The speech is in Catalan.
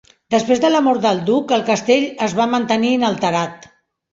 Després de la mort del duc, el castell es va mantenir inalterat.